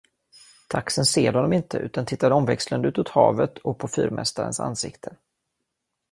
Taxen ser honom inte, utan tittar omväxlande utåt havet och på fyrmästarens ansikte.